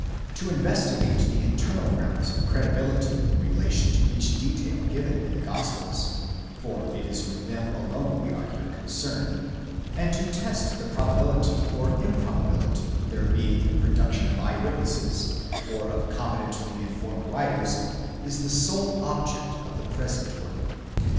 To investigate the internal grounds of credibility in relation to each detail given in the Gospels, (for it is with them alone we are here concerned) and to test the probability or improbability of their being the production of eye witnesses, or of compe tently informed writers, is the sole object of the present work.